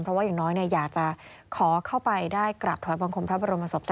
เพราะว่าอย่างน้อยอยากจะขอเข้าไปได้กราบถอยบังคมพระบรมศพ